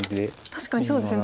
確かにそうですね